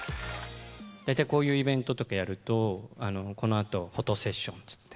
大体こういうイベントとかやると、このあとフォトセッションっていって。